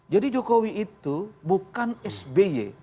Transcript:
jadi jokowi itu bukan sby